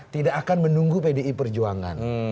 tidak akan menunggu pdi perjuangan